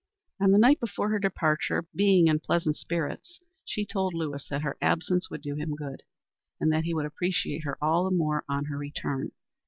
On the night before her departure, being in pleasant spirits, she told Lewis that her absence would do him good, and that he would appreciate her all the more on her return.